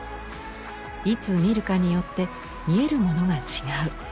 いつ見るかによって見えるものが違う。